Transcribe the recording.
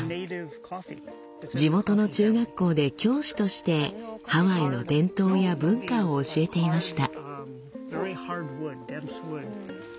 地元の中学校で教師としてハワイの伝統や文化を教えていました。